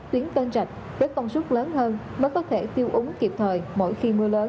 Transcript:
tuyến kênh rạch với công suất lớn hơn mới có thể tiêu úng kịp thời mỗi khi mưa lớn